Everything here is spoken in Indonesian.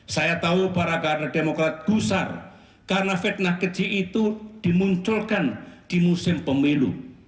saya tahu para kader demokrat gusar karena fitnah keji itu dimunculkan di musim pemilu